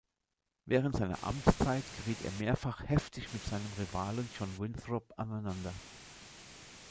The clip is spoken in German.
Während seiner Amtszeit geriet er mehrfach heftig mit seinem Rivalen John Winthrop aneinander.